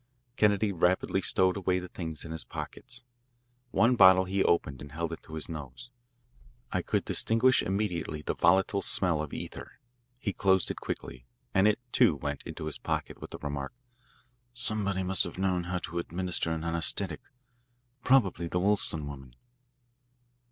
Kennedy rapidly stowed away the things in his pockets. One bottle he opened and held to his nose. I could distinguish immediately the volatile smell of ether. He closed it quickly, and it, too, went into his pocket with the remark, "Somebody must have known how to administer an anaesthetic probably the Wollstone woman."